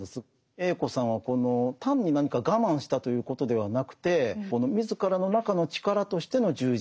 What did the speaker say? Ａ子さんはこの単に何か我慢したということではなくて自らの中の力としての充実